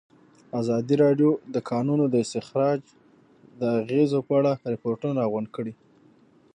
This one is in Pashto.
ازادي راډیو د د کانونو استخراج د اغېزو په اړه ریپوټونه راغونډ کړي.